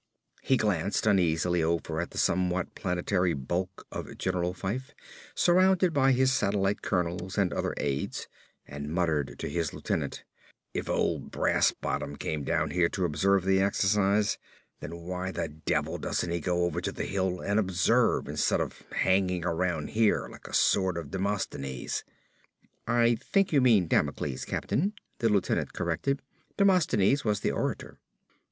He glanced uneasily over at the somewhat planetary bulk of General Fyfe surrounded by his satellite colonels and other aides, and muttered to his lieutenant, "If Old Brassbottom came down here to observe the exercise, then why the devil doesn't he go over to the hill and observe instead of hanging around here like a sword of Demosthenes?" "I think you mean Damocles, captain," the lieutenant corrected. "Demosthenes was the orator."